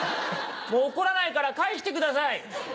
もう怒らないから返してください！